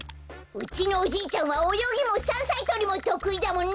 うちのおじいちゃんはおよぎもさんさいとりもとくいだもんね。